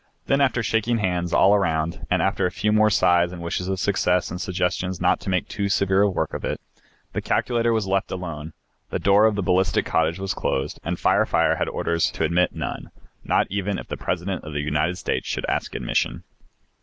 Then, after shaking hands all around and after several more sighs and wishes of success and suggestions not to make too severe a work of it, the calculator was left alone. The door of the Ballistic cottage was closed and Fire Fire had orders to admit none, not even if the President of the United States should ask admission.